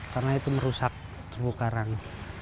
karena itu merusak tumbuh karang